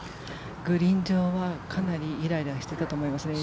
グリーン上はかなりイライラしていたと思いますね。